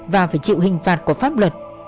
và phải chịu hình phạt của pháp luật